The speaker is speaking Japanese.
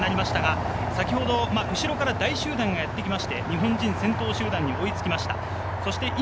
後ろから大集団がやってきて日本人先頭集団に追いつきました。